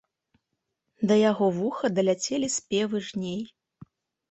Да яго вуха даляцелі спевы жней.